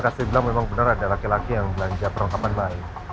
saya bilang memang benar ada laki laki yang belanja perlengkapan baik